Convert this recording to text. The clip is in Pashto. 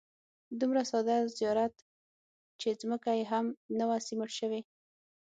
دومره ساده زیارت چې ځمکه یې هم نه وه سیمټ شوې.